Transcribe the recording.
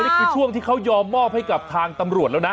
นี่คือช่วงที่เขายอมมอบให้กับทางตำรวจแล้วนะ